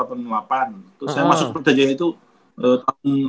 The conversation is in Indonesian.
terus saya masuk belajar jaya itu tahun delapan puluh sembilan